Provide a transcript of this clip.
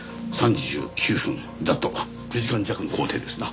ざっと９時間弱の行程ですな。